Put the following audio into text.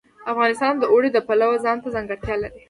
افغانستان د اوړي د پلوه ځانته ځانګړتیا لري.